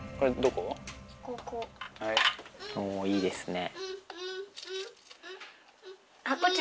おいいですね。